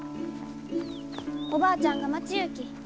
おばあちゃんが待ちゆうき。